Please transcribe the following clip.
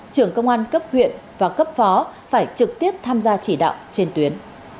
trưởng công an cấp huyện và cấp phó phải trực tiếp tham gia chỉ đạo trên tuyến